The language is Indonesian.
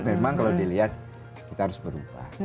memang kalau dilihat kita harus berubah